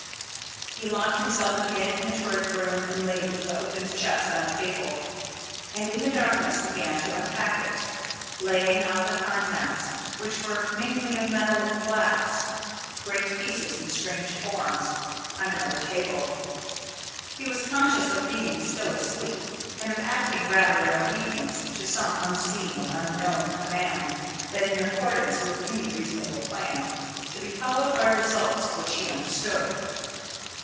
He locked himself again in the turret room, and laid the opened chest on a table, and in the darkness began to unpack it, laying out the contents, which were mainly of metal and glass great pieces in strange forms on another table. He was conscious of being still asleep, and of acting rather in obedience to some unseen and unknown command than in accordance with any reasonable plan, to be followed by results which he understood.